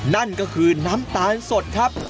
นั่นก็คือน้ำตาลสดครับ